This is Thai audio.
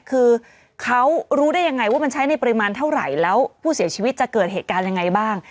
คือเขารู้ได้ยังไงว่ามันใช้ในปริมาณเท่าไหร่แล้วผู้เสียชีวิตจะเกิดเหตุการณ์ยังไงบ้าง